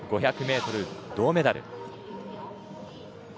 ５００ｍ銅メダル。